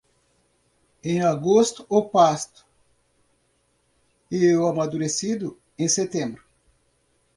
Em agosto o pasto e o amadurecido em setembro.